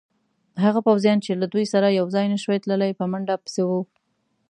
هغه پوځیان چې له دوی سره یوځای نه شوای تلای، په منډه پسې وو.